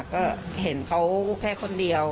ก็เห็นเขาแค่คนเดียว